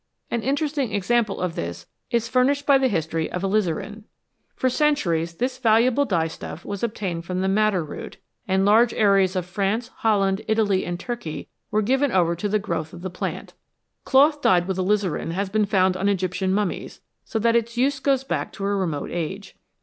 An interesting example of this is furnished by the history of alizarin. For centuries this valuable dye stuff was obtained from the madder root, and large areas of France, Holland, Italy, and Turkey were given over to the growth of the plant. Cloth dyed with alizarin has been found on Egyptian mummies, so that its use goes back to a remote age.